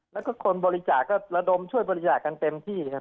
แล้วก็คนบริจาคก็ระดมช่วยบริจาคกันเต็มที่นะครับ